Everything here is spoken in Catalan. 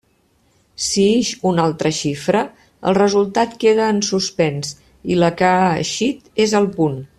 Si ix una altra xifra, el resultat queda en suspens i la que ha eixit és el punt.